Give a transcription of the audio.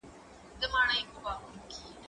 زه به د کتابتون د کار مرسته کړې وي؟